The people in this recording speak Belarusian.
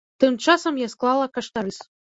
Тым часам я склала каштарыс.